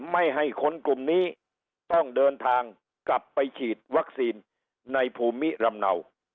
ไม่ให้คนกลุ่มนี้ต้องเดินทางกลับไปฉีดวัคซีนในภูมิลำเนา